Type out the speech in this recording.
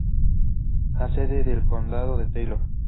La sede del condado es Taylor.